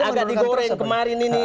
agak digoreng kemarin ini